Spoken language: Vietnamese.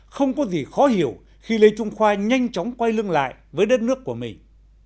không có gì khó hiểu khi lê trung khoa nhanh chóng quay lưng lại với đất nước của mình